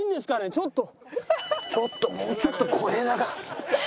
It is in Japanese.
ちょっとちょっともうちょっと小枝が。